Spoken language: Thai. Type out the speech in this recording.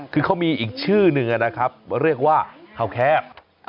คือเขามีอีกชื่อหนึ่งนะครับเรียกว่าข้าวแคบ